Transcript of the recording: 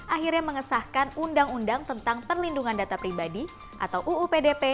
akhirnya mengesahkan undang undang tentang perlindungan data pribadi atau uu pdp